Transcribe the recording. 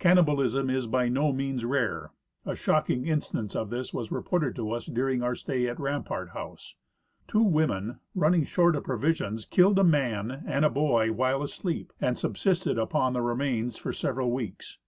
Cannibalism is by no means rare. A shocking instance of this was reported to us during our stay at Rampart house. Two women, running short of provisions, killed a man and a boy Avhile asleep, and subsisted upon the remains for several weeks.